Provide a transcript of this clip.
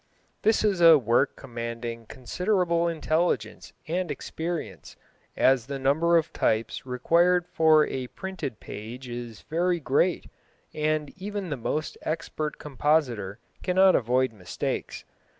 This is a work commanding considerable intelligence and experience, as the number of types required for a printed page is very great, and even the most expert compositor cannot avoid mistakes.